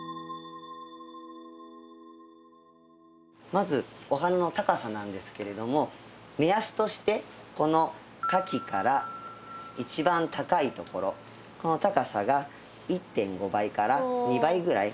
まずお花の高さなんですけれども目安としてこの花器から一番高いところこの高さが１．５倍から２倍ぐらい。